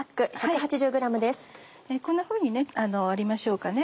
こんなふうに割りましょうか。